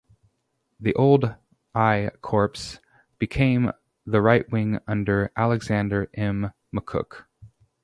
The old I Corps became the Right Wing under Alexander M. McCook.